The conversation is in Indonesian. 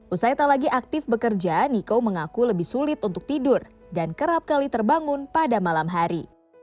usai tak lagi aktif bekerja niko mengaku lebih sulit untuk tidur dan kerap kali terbangun pada malam hari